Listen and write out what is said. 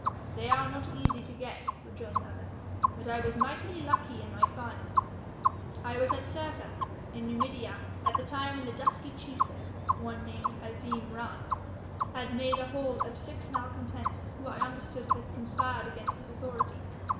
"They are not easy to get," rejoined the other, "but I was mightily lucky in my find. I was at Cirta in Numidia at a time when the dusky chief there one named Hazim Rhan had made a haul of six malcontents who I understood had conspired against his authority.